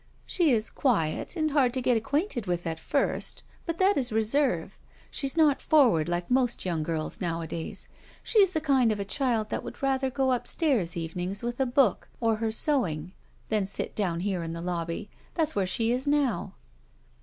''She is quiet and hard to get acquainted with at first, but that is reserve. She's not forward like most young girls nowadays. She's the kind of a child that would rather go upstairs evenings with a book or her sewing than sit down here in the lobby. That's where she is now."